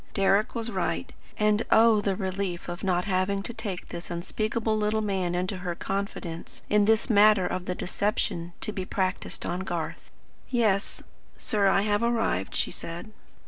Deryck was right; and oh the relief of not having to take this unspeakable little man into her confidence in this matter of the deception to be practised on Garth. "Yes, sir, I have arrived," she said.